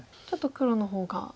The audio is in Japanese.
ちょっと黒の方が。